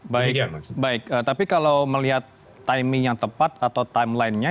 baik baik tapi kalau melihat timing yang tepat atau timeline nya